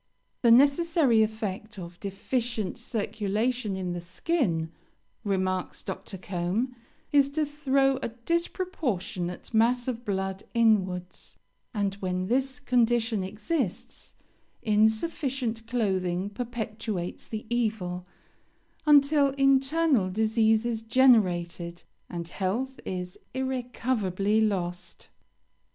'The necessary effect of deficient circulation in the skin,' remarks Dr. Combe, 'is to throw a disproportionate mass of blood inwards; and when this condition exists, insufficient clothing perpetuates the evil, until internal disease is generated, and health is irrecoverably lost.'